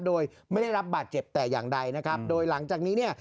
โดยไม่ได้รับบาดเจ็บแต่อย่างใดนะครับโดยหลังจากนี้เนี่ย